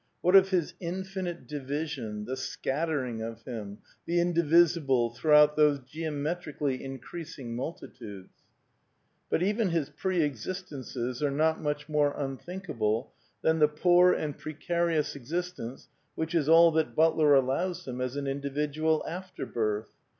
What of his infinite division, tibe scattering of him, the indivisible, throughout those geometrically increasing multitudes ? But even his pre existences are not much more imthink able than the poor and precarious existence which is all that Butler allows him as an individual after birth.